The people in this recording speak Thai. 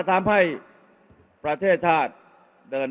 อย่าให้ลุงตู่สู้คนเดียว